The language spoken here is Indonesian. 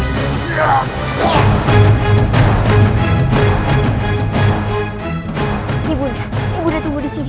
nih bunda ibu ditunggu disini